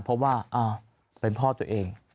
เพราะว่าเป็นพ่อตัวเอง